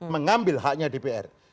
mengambil haknya dpr